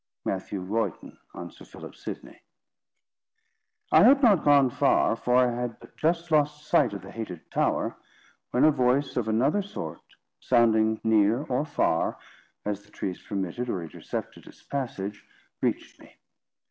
MATTHEW ROYDON, on Sir Philip Sidney. I had not gone far, for I had but just lost sight of the hated tower, when a voice of another sort, sounding near or far, as the trees permitted or intercepted its passage, reached me.